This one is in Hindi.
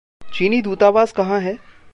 चीनी दूतावास कहाँ है?